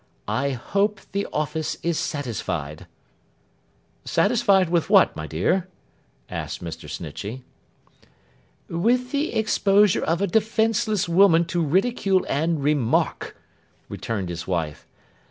'I hope the office is satisfied.' 'Satisfied with what, my dear?' asked Mr. Snitchey. 'With the exposure of a defenceless woman to ridicule and remark,' returned his wife.